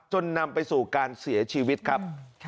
นำไปสู่การเสียชีวิตครับ